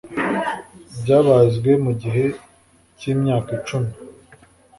byabazwe mu gihe cy’imyaka icumi